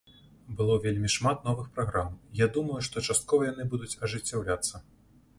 Было вельмі шмат новых праграм, я думаю, што часткова яны будуць ажыццяўляцца.